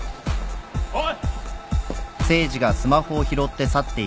おい！